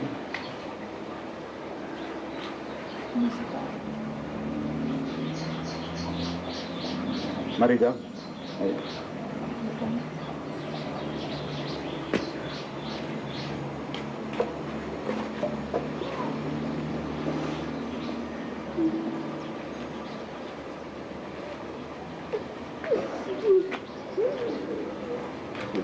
terima kasih pak